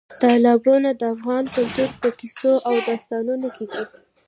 تالابونه د افغان کلتور په کیسو او داستانونو کې دي.